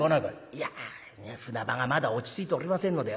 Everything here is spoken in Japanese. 「いや船場がまだ落ち着いておりませんので」。